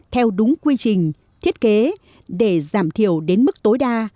theo đúng quy trình thiết kế để giảm thiểu đến mức tối đa